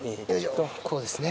こうですね。